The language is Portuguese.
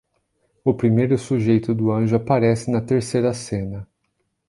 O primeiro sujeito do anjo aparece na terceira cena.